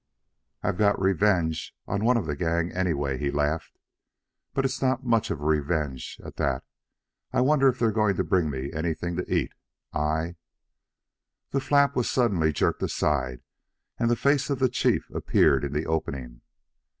"I've got revenge on one of the gang anyway," he laughed. "But it's not much of a revenge, at that. I wonder if they are going to bring me anything to eat. I " The flap was suddenly jerked aside and the face of the chief appeared in the opening.